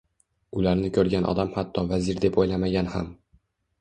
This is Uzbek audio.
Ularni ko'rgan odam hatto vazir deb o'ylamagan ham.